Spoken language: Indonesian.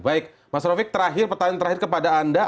baik mas rofiq terakhir pertanyaan terakhir kepada anda